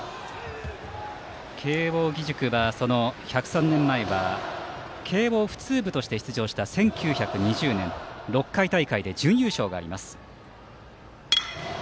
慶応義塾は、１０３年前は慶応普通部として出場した１９２０年６回大会で準優勝があります。